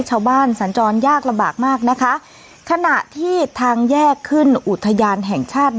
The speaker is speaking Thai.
สัญจรยากลำบากมากนะคะขณะที่ทางแยกขึ้นอุทยานแห่งชาติ